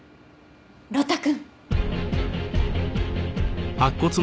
呂太くん。